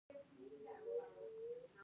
رابرټ اسويلى وکړ.